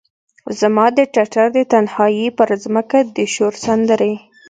زما د ټټر د تنهایې پرمځکه د شور سندرې،